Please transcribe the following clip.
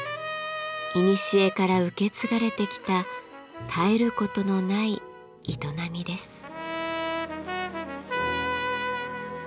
いにしえから受け継がれてきた絶える事のない営みです。